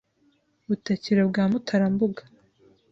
Butakiro bwa Mutarambuga